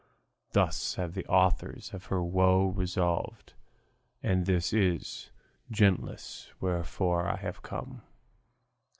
Thus have the authors of her woe resolved. And this is, gentles, wherefore I have come.